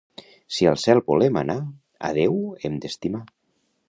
Si al cel volem anar, a Déu hem d'estimar.